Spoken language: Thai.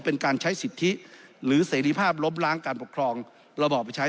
เป็นการใช้สิทธิหรือเสรีภาพล้มล้างการปกครองระบอบไปใช้